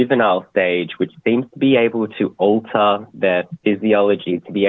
yang sepertinya dapat mengubah fisiologi mereka